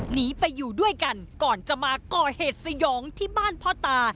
หนีไปอยู่ด้วยกันก่อนจะมาก่อเหตุสยองที่บ้านพ่อตา